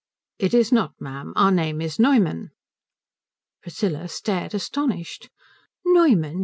"It is not, ma'am. Our name is Neumann." Priscilla stared astonished. "Neumann?"